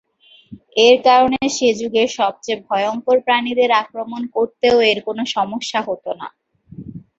এর কারণে সে যুগের সবচেয়ে ভয়ঙ্কর প্রাণীদের আক্রমণ করতেও এর কোন সমস্যা হতো না।